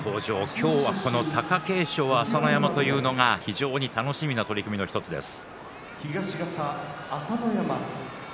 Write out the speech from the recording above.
今日はこの貴景勝、朝乃山というのが非常に楽しみな取組の１つです。